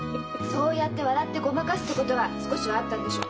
そうやって笑ってごまかすってことは少しはあったんでしょ？